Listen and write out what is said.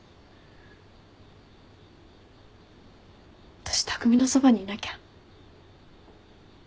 私匠のそばにいなきゃ。